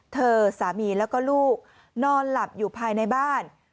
เธอสามีแล้วก็ลูกนอนหลับอยู่ภายในบ้าน